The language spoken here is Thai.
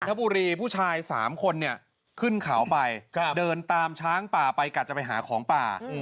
ทบุรีผู้ชาย๓คนเนี่ยขึ้นเขาไปเดินตามช้างป่าไปกะจะไปหาของป่า